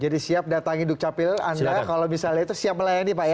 jadi siap datangi duk capil anda kalau misalnya itu siap melayani pak ya